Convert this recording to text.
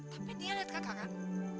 tapi dia lihat kakak kan